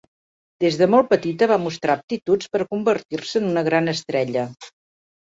Des de molt petita va mostrar aptituds per a convertir-se en una gran estrella.